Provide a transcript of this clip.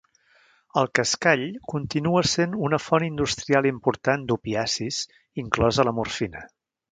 El cascall continua sent una font industrial important d'opiacis, inclosa la morfina.